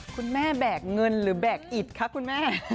คุณแม่แบกเงินหรือแบ่กอิตคะคุณแม่